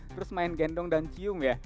terus main gendong dan cium ya